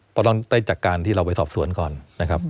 เพราะต้องได้จากการที่เราไปสอบสวนก่อนนะครับ